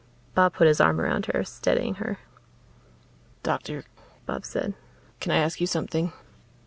Bob put his arm around her, steadying her. "Doctor," Bob said, "can I ask you something?"